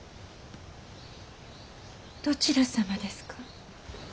どちら様ですか？